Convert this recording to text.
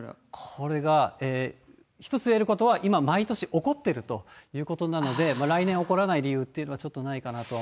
これが、一つ言えることは、今、毎年起こっているということなので、来年起こらない理由っていうのは、怖いですね。